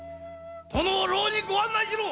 殿を牢にご案内しろ！